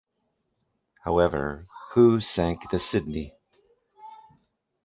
However, Who Sank the Sydney?